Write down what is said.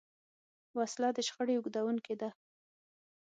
وسله د شخړې اوږدوونکې ده